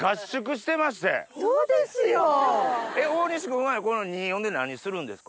大西くんはこの『２４』で何するんですか？